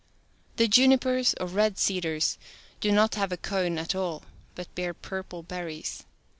The junipers, or red cedars, do not have a cone at all, but bear purple berries.